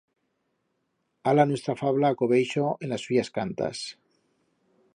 Ha la nuestra fabla a cobeixo en las suyas cantas.